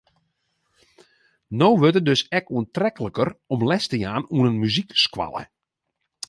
No wurdt it dus ek oantrekliker om les te jaan oan in muzykskoalle.